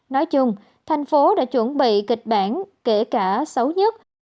nói chung thành phố đã chuẩn bị kịch bản kể cả xấu nhất